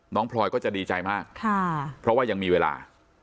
พลอยก็จะดีใจมากเพราะว่ายังมีเวลา